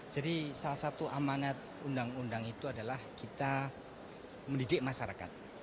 jadi salah satu amanat undang undang itu adalah kita mendidik masyarakat